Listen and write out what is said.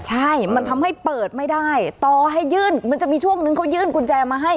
ใช่มันทำให้เปิดไม่ได้ต่อให้ยื่นมันจะมีช่วงนึงเขายื่นกุญแจมาให้